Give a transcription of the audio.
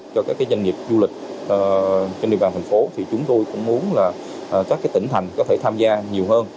cho các doanh nghiệp du lịch trên địa bàn thành phố thì chúng tôi cũng muốn là các tỉnh thành có thể tham gia nhiều hơn